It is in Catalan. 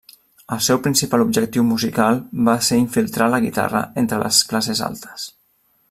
El seu principal objectiu musical va ser infiltrar la guitarra entre les classes altes.